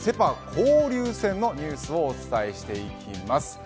交流戦のニュースをお伝えしていきます。